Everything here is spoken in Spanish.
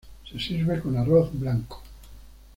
Se sirve con arroz blanco.